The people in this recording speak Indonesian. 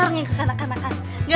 dengan kekuatan bipido f